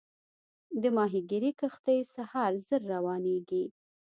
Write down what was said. د ماهیګیري کښتۍ سهار زر روانېږي.